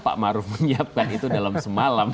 pak maruf menyiapkan itu dalam semalam